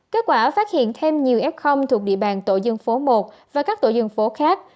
kết quả phát hiện thêm nhiều f thuộc địa bàn tổ dân phố một và các tổ dân phố khác